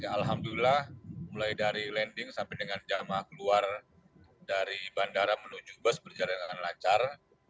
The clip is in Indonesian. alhamdulillah mulai dari landing sampai dengan jamah keluar dari bandara menuju bus berjalan dengan lancar